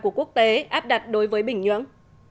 của quốc tế áp đặt đối với bình nhưỡng